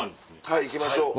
はい行きましょう。